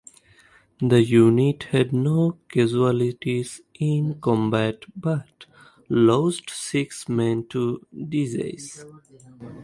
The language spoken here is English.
The unit had no casualties in combat but lost six men to disease.